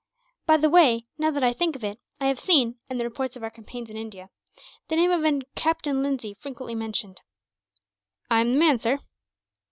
"By the way, now that I think of it, I have seen, in the reports of our campaigns in India, the name of a Captain Lindsay frequently mentioned." "I am the man, sir."